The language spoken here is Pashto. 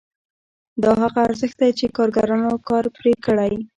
دا هغه ارزښت دی چې کارګرانو کار پرې کړی